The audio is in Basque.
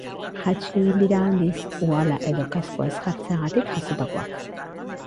Jaitsi egin dira, aldiz, uhala edo kaskoa ez jartzeagatik jasotakoak.